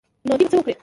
نو دوى به څه وکړي.